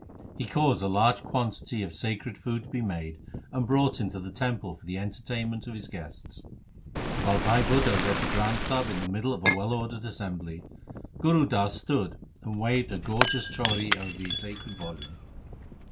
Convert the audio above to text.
He caused a large quantity of sacred food to be made and brought into the temple for the entertainment of his guests. While Bhai Budha read the Granth Sahib in the middle of a well ordered assembly Gur Das stood and waved a gorgeous chauri over the sacred volume.